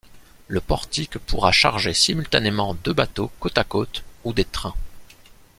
Le portique pourra charger simultanément deux bateaux côte à côte ou des trains.